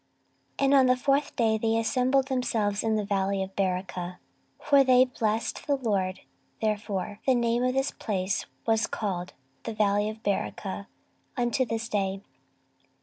14:020:026 And on the fourth day they assembled themselves in the valley of Berachah; for there they blessed the LORD: therefore the name of the same place was called, The valley of Berachah, unto this day.